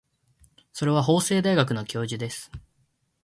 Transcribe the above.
それは法政大学の教授です。